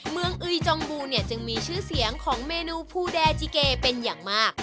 เมืองอุยจองบูเนี่ยจึงมีชื่อเสียงของเมนูภูแดจิเกเป็นอย่างมาก